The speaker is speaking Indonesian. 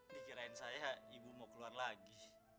dikirain saya ibu mau keluar lagi